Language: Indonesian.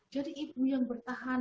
jadi ibu yang bertahan